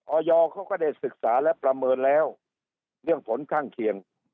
อยเขาก็ได้ศึกษาและประเมินแล้วเรื่องผลข้างเคียง